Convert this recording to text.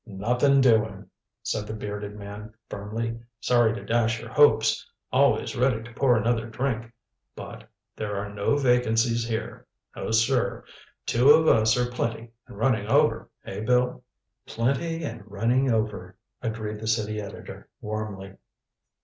"Nothing doing," said the bearded man firmly. "Sorry to dash your hopes always ready to pour another drink. But there are no vacancies here. No, sir. Two of us are plenty and running over, eh, Bill?" "Plenty and running over," agreed the city editor warmly.